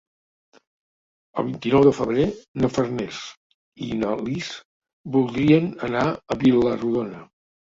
El vint-i-nou de febrer na Farners i na Lis voldrien anar a Vila-rodona.